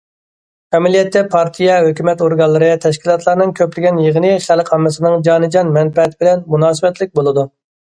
ئەمەلىيەتتە، پارتىيە، ھۆكۈمەت ئورگانلىرى، تەشكىلاتلارنىڭ كۆپلىگەن يىغىنى خەلق ئاممىسىنىڭ جانىجان مەنپەئەتى بىلەن مۇناسىۋەتلىك بولىدۇ.